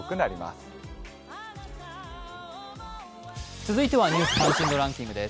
続いては「ニュース関心度ランキング」です。